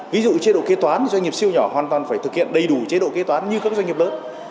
ví dụ như chế độ kê toán thì doanh nghiệp siêu nhỏ hoàn toàn phải thực hiện đầy đủ chế độ kê toán như các doanh nghiệp lớn